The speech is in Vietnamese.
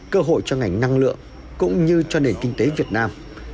cơ hội cho ngành năng lượng cũng như cho nền kinh tế việt nam